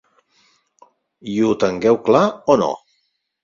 I ho tengueu clar o no